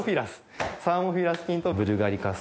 サーモフィラス菌とブルガリカス。